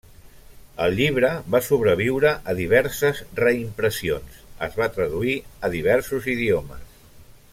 El llibre va sobreviure a diverses reimpressions, es va traduir a diversos idiomes.